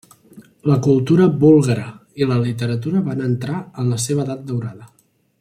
La cultura búlgara i la literatura van entrar en la seva Edat Daurada.